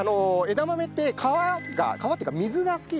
枝豆って川が川っていうか水が好きで。